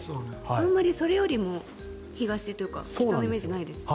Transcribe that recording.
あまりそれよりも東とか北のイメージないですね。